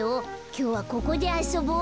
きょうはここであそぼう。